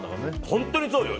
本当にそうよ。